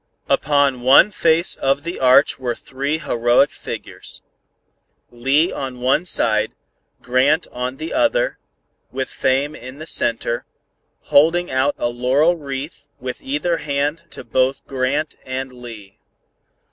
Upon one face of the arch were three heroic figures. Lee on the one side, Grant on the other, with Fame in the center, holding out a laurel wreath with either hand to both Grant and Lee.